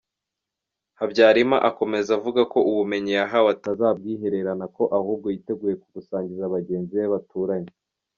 Habyarima akomeza avuga ko ubumenyi yahawe atazabwihererana ko ahubwo yiteguye kubusangiza bagenzi be baturanye.